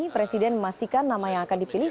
presiden memastikan nama yang akan dipilih